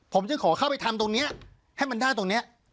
ผมจึงขอเข้าไปทำตรงนี้ให้มันได้ตรงนี้